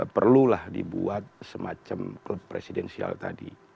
perlulah dibuat semacam klub presidensial tadi